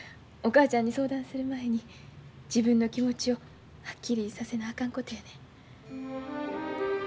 お母ちゃんに相談する前に自分の気持ちをはっきりさせなあかんことやねん。